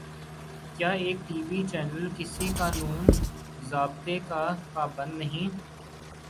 کیا ایک TV channel کسی قانون ضابطے کا پابند نہیں؟